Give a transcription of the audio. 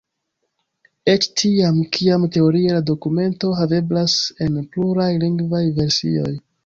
Eĉ tiam, kiam teorie la dokumento haveblas en pluraj lingvaj versioj.